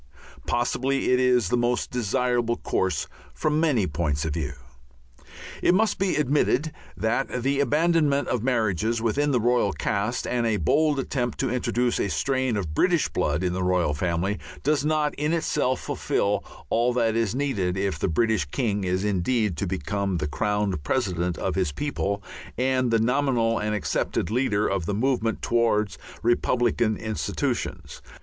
Possibly that is the most desirable course from many points of view. It must be admitted that the abandonment of marriages within the royal caste and a bold attempt to introduce a strain of British blood in the royal family does not in itself fulfil all that is needed if the British king is indeed to become the crowned president of his people and the nominal and accepted leader of the movement towards republican institutions.